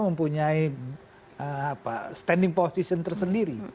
mempunyai standing position tersendiri